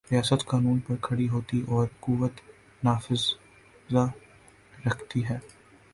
ریاست قانون پر کھڑی ہوتی اور قوت نافذہ رکھتی ہے۔